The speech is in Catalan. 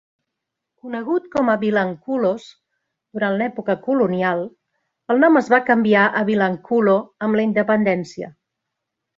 Conegut com a "Vilanculos" durant l'època colonial, el nom es va canviar a "Vilankulo" amb la independència.